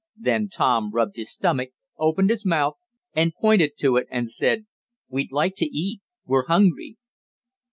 Then Tom rubbed his stomach, opened his mouth and pointed to it and said: "We'd like to eat we're hungry!"